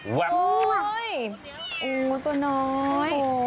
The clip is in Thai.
โหวยยยตัวน้อย